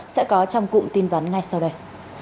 sẽ có trong cụm tin vấn ngay sau đây